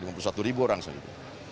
kalau lima puluh satu ribu orang saya lihat